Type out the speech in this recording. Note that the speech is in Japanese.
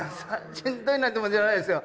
しんどいなんてもんじゃないですよ。